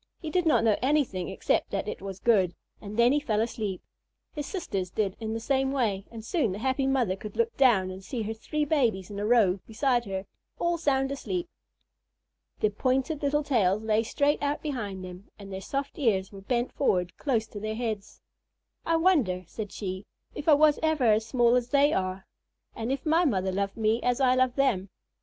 He did not know anything except that it was good, and then he fell asleep. His sisters did in the same way, and soon the happy mother could look down and see her three babies in a row beside her, all sound asleep. Their pointed little tails lay straight out behind them, and their soft ears were bent forward close to their heads. "I wonder," said she, "if I was ever as small as they are, and if my mother loved me as I love them."